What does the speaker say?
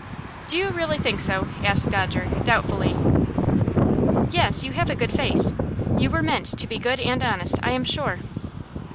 "Do you really think so?" asked Dodger, doubtfullly. "Yes; you have a good face. You were meant to be good and honest, I am sure."